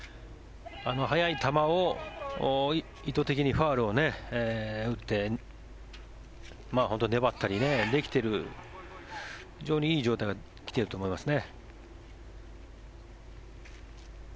速い球を意図的にファウルを打って本当に粘ったりできている非常にいい状態で来ていると思いますね。